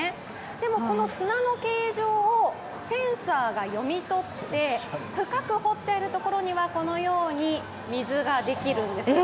でもこの砂の形状をセンサーが読み取って深く掘ってあるところには、このように水ができるんですね。